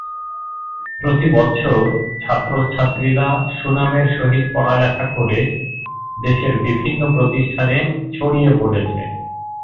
প্রতি বৎসর ছাত্র-ছাত্রীরা সুনামের সহিত পড়া লেখা করে দেশের বিভিন্ন প্রতিষ্ঠানের ছড়িয়ে পড়েছে।